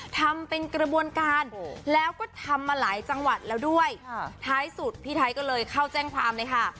ทำเป็นกระบวนการแล้วก็ทำมาหลายจังหวัดแล้วด้วยท้ายสุดพี่ไทยก็เลยเข้าแจ้งความเลยค่ะ